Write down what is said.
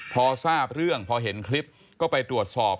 พอทราบเรื่องพอเห็นคลิปก็ไปตรวจสอบ